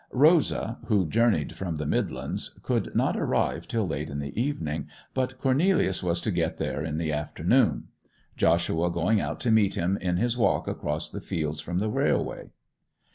Rosa, who journeyed from the Midlands, could not arrive till late in the evening, but Cornelius was to get there in the afternoon, Joshua going out to meet him in his walk across the fields from the railway.